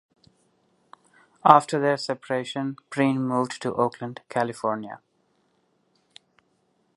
After their separation, Breen moved to Oakland, California.